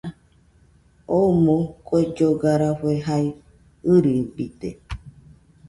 Omo kue lloga rafue jae ɨrɨbide